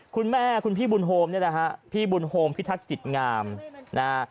คุณแม่คุณพี่บุญโฮมเนี่ยนะฮะพี่บุญโฮมพิทักษิตงามนะฮะ